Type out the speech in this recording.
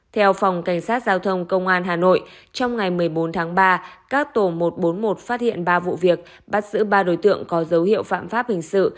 theo phòng cảnh sát giao thông công an hà nội trong ngày một mươi bốn tháng ba các tổ một trăm bốn mươi một phát hiện ba vụ việc bắt giữ ba đối tượng có dấu hiệu phạm pháp hình sự